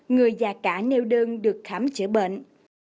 người già cả nêu đơn được khám chữa bệnh